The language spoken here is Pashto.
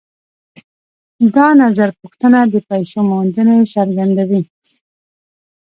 دا نظرپوښتنه د پیسو موندنې څرګندوي